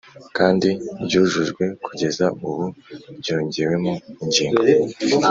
Kandi ryujujwe kugeza ubu ryongewemo ingingo